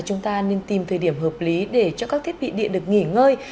chúng ta nên tìm thời điểm hợp lý để cho các thiết bị điện được nghỉ ngơi